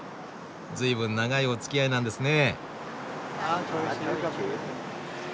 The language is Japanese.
随分長いおつきあいなんですね。